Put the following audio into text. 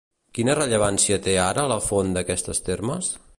Quina rellevància té ara la font d'aquestes termes?